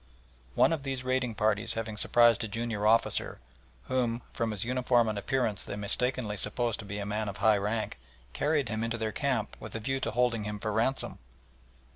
One of these raiding parties having surprised a junior officer, whom from his uniform and appearance they mistakenly supposed to be a man of high rank, carried him into their camp with a view to holding him for ransom.